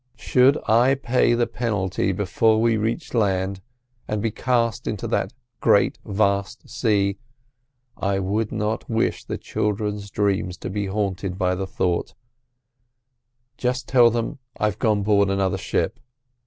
"Should I pay the penalty before we reach land, and be cast into that great, vast sea, I would not wish the children's dreams to be haunted by the thought: just tell them I've gone on board another ship.